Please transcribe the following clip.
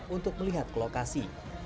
untuk melihat lokasi